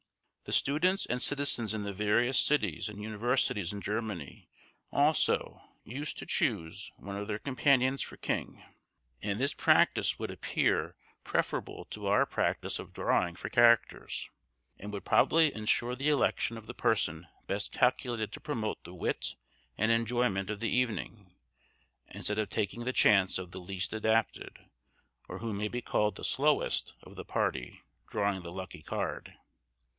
The students and citizens in the various cities and universities in Germany, also, used to choose one of their companions for king; and this practice would appear preferable to our practice of drawing for characters, and would probably ensure the election of the person best calculated to promote the wit and enjoyment of the evening, instead of taking the chance of the least adapted, or who may be called the "slowest" of the party drawing the lucky card.